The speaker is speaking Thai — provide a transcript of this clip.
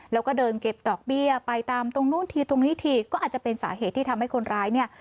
แล้วก็เดินเก็บดอกเบี้ยไปตามตรงนู้นทีตรงนี้ทีก็อาจจะเป็นสาเหตุที่ทำให้คนร้ายเนี่ย